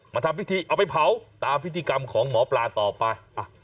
ทำพิธีเอาไปเผาตามพิธีกรรมของหมอปลาต่อไป